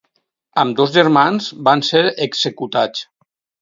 Ambdós germans van ser executats.